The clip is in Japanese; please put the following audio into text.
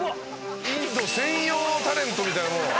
インド専用タレントみたいな。